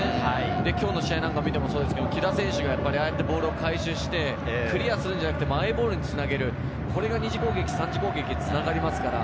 今日の試合を見てもそうですが、喜田選手がボールを回収してクリアするのではなくて、マイボールにつなげる、これが２次攻撃、３次攻撃につながります。